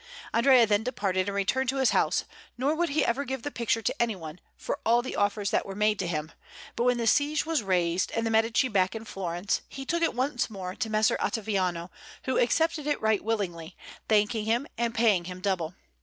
Andrea then departed and returned to his house, nor would he ever give the picture to anyone, for all the offers that were made to him; but when the siege was raised and the Medici back in Florence, he took it once more to Messer Ottaviano, who accepted it right willingly, thanking him and paying him double.